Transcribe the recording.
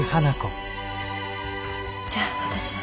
じゃあ私は。